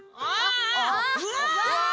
うわ！